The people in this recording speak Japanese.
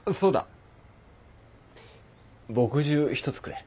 墨汁１つくれ。